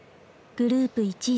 グループ１位